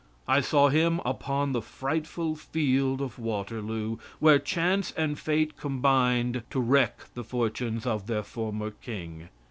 I saw him upon the frightful field of Waterloo, where chance and fate combined to wreck the fortunes of their former king.